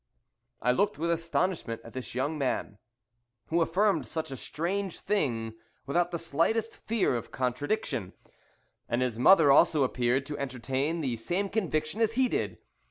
I looked with astonishment at this young man, who affirmed such a strange thing without the slightest fear of contradiction, and his mother also appeared to entertain the same conviction as he did.